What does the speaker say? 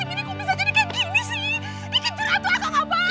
ini kincir aku akan ngobrol